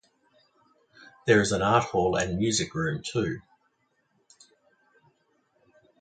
There is an art hall and music room too.